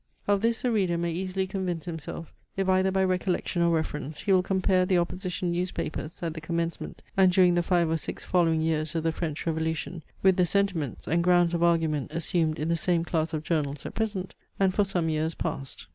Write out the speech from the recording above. Of this the reader may easily convince himself, if either by recollection or reference he will compare the opposition newspapers at the commencement and during the five or six following years of the French revolution with the sentiments, and grounds of argument assumed in the same class of journals at present, and for some years past.